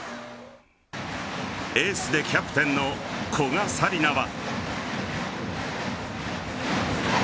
エースでキャプテンの古賀紗理那は。